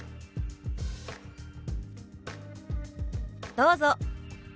どうぞ。